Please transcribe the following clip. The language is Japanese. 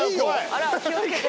あらっ気を付けて。